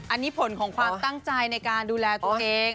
อันนี้ผลของความตั้งใจในการดูแลตัวเอง